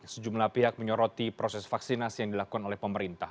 sejumlah pihak menyoroti proses vaksinasi yang dilakukan oleh pemerintah